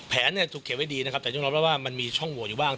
แผนเนี่ยถูกเขียนไว้ดีนะครับแต่ยังรับรับว่ามันมีช่องหัวอยู่บ้าง